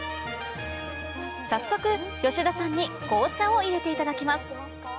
早速吉田さんに紅茶を入れていただきます